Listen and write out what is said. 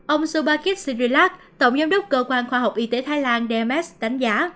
ông subhakit sirilak tổng giám đốc cơ quan khoa học y tế thái lan dms đánh giá